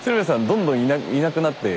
どんどんいなくなって。